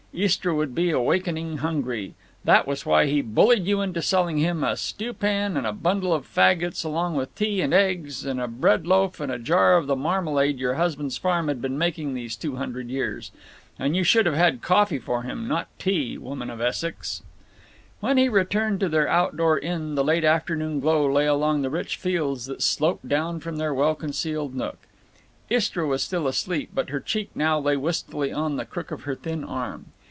Istra would be awakening hungry. That was why he bullied you into selling him a stew pan and a bundle of faggots along with the tea and eggs and a bread loaf and a jar of the marmalade your husband's farm had been making these two hundred years. And you should have had coffee for him, not tea, woman of Essex. When he returned to their outdoor inn the late afternoon glow lay along the rich fields that sloped down from their well concealed nook. Istra was still asleep, but her cheek now lay wistfully on the crook of her thin arm.